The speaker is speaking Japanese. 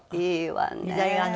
いいわねえ。